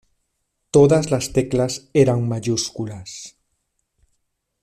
Todas las teclas eran mayúsculas.